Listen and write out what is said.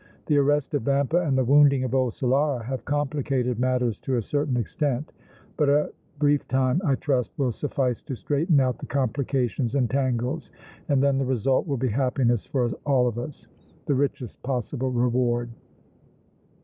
The arrest of Vampa and the wounding of old Solara have complicated matters to a certain extent, but a brief time, I trust, will suffice to straighten out the complications and tangles, and then the result will be happiness for all of us, the richest possible reward!"